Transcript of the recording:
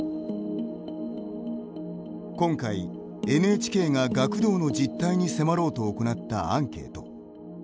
今回ＮＨＫが、学童の実態に迫ろうと行ったアンケート。